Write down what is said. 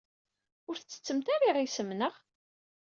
Ur tettessemt ara iɣisem, naɣ?